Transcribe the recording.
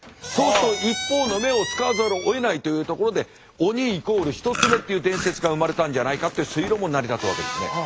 そうすると一方の目を使わざるをえないというところで鬼イコール一つ目っていう伝説が生まれたんじゃないかっていう推論も成り立つわけですね。